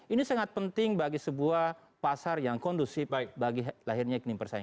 ini sangat penting bagi sebuah pasar yang kondusif bagi lahirnya iklim persaingan